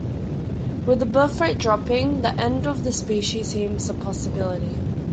With the birth rate dropping, the end of the species seems a possibility.